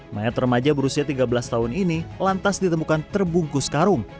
mayat remaja berusia tiga belas tahun ini lantas ditemukan terbungkus karung